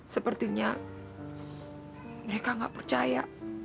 sepertinya mereka gak percaya